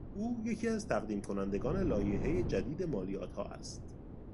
او یکی از تقدیم کنندگان لایحهی جدید مالیاتها است.